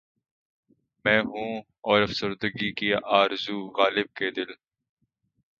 میں ہوں اور افسردگی کی آرزو غالبؔ کہ دل